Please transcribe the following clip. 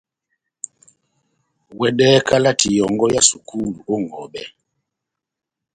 Wɛdɛhɛ kalati yɔ́ngɔ ya sukulu ó ŋʼhɔbɛ.